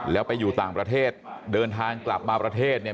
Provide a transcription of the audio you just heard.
แล้วไปอยู่ต่างประเทศเดินทางกลับมาประเทศเนี่ย